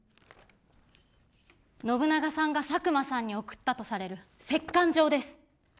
信長さんが佐久間さんに送ったとされる折かん状です。